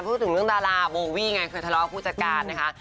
พูดถึงเรื่องดาราโบวี่ไงเคยทะเลาะผู้จัดการนะคะ